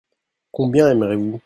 Combien aimerez-vous ?